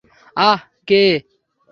আহ, কে?